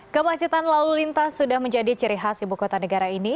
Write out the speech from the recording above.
kemacetan lalu lintas sudah menjadi ciri khas ibu kota negara ini